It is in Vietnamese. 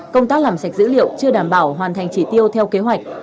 công tác làm sạch dữ liệu chưa đảm bảo hoàn thành chỉ tiêu theo kế hoạch